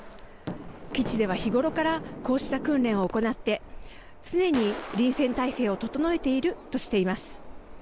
基地では日頃からこうした訓練を行って常に臨戦態勢を整えているとしています。